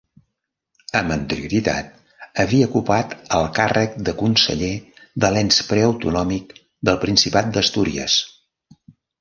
Amb anterioritat havia ocupat el càrrec de Conseller de l'ens preautonòmic del Principat d'Astúries.